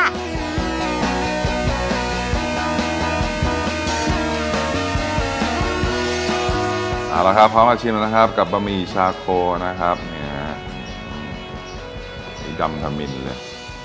เอาละครับพร้อมมาชิมแล้วนะครับกับบะหมี่ชาโคนะครับเนี่ยสีดำธมินเลย